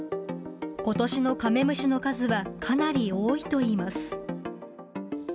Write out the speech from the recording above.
ことしのカメムシの数はかなり多いといいます。